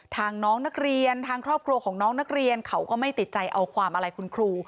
น้องนักเรียนทางครอบครัวของน้องนักเรียนเขาก็ไม่ติดใจเอาความอะไรคุณครู